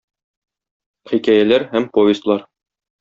хикәяләр һәм повестьлар.